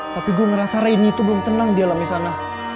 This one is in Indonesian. tapi gue ngerasa reni itu belum tenang di alamnya sana